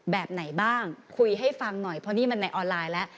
แบบไหนบ้างคุยให้ฟังหน่อยเพราะนี่มันในออนไลน์แล้ว